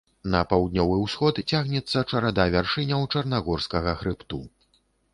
На паўднёвы ўсход цягнецца чарада вяршыняў чарнагорскага хрыбту.